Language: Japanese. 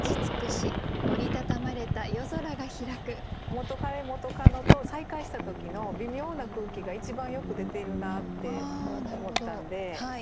元カレ・元カノと再会した時の微妙な空気が一番よく出ているなって思ったんで一席にしました。